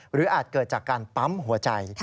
อาจเกิดจากการปั๊มหัวใจ